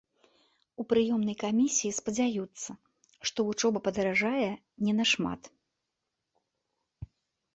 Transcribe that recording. У прыёмнай камісіі спадзяюцца, што вучоба падаражэе не нашмат.